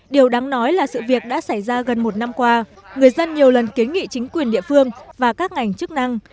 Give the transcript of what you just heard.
điều đáng nói là sự việc đã xảy ra gần một năm qua người dân nhiều lần kiến nghị chính quyền địa phương và các ngành chức năng